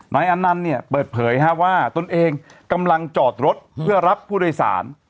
อันนั้นเนี่ยเปิดเผยว่าตนเองกำลังจอดรถเพื่อรับผู้โดยสาร